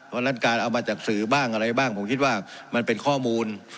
เพราะฉะนั้นการเอามาจากสื่อบ้างอะไรบ้างผมคิดว่ามันเป็นข้อมูล